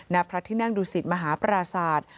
ณพระที่นั่งดูสิตมหาปราศาสตร์